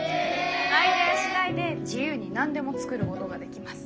アイデア次第で自由に何でも作ることができます。